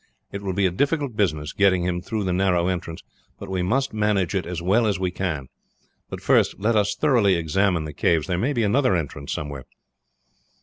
It will be a difficult business getting him through the narrow entrance, but we must manage it as well as we can. But first let us thoroughly examine the caves; there may be another entrance somewhere."